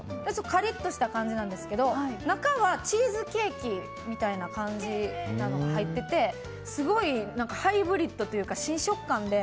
カリッとした感じなんですが中はチーズケーキみたいな感じなのが、入っていてすごいハイブリッドというか新食感で。